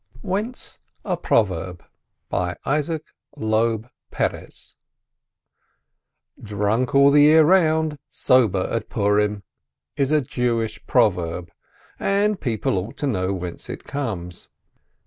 WHENCE A PEOVEEB "Drunk all the year round, sober at Purim," is a Jewish proverb, and people ought to know whence it comes.